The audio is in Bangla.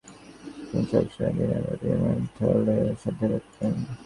তিনি সব সময় দিনার ও দিরহামের থলে সাথে রাখতেন।